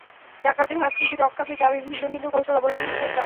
ডাকাতদের হাত থেকে রক্ষা পেতে আমি ভিন্ন ভিন্ন কৌশল অবলম্বন করতাম।